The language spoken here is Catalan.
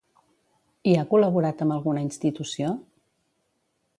I ha col·laborat amb alguna institució?